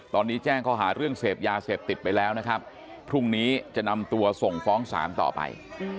ตอนนี้แจ้งข้อหาเรื่องเสพยาเสพติดไปแล้วนะครับพรุ่งนี้จะนำตัวส่งฟ้องศาลต่อไป